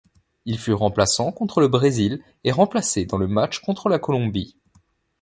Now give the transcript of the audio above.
Il fut remplaçant contre le Brésil et remplacé dans le match contre la Colombie.